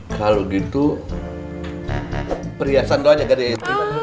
kalau gitu perhiasan lo aja gadein